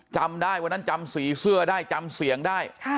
จำได้วันนั้นจำสีเสื้อได้จำเสียงได้